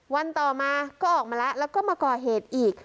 วันต่อมาก็ออกมาแล้วแล้วก็มาก่อเหตุอีก